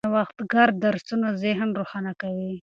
نوښتګر درسونه ذهن روښانه کوي.